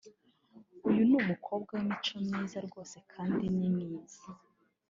uyu ni umukobwa w’imico myiza rwose kandi ni mwiza